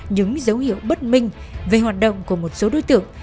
những dấu hiệu bất minh về hoạt động của một số đối tượng